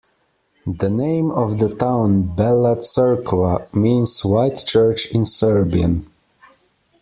The name of the town "Bela Crkva" means "white church" in Serbian.